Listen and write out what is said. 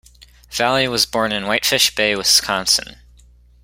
Valley was born in Whitefish Bay, Wisconsin.